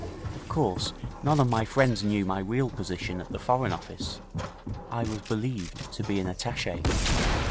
Of course none of my friends knew my real position at the Foreign Office. I was believed to be an attaché.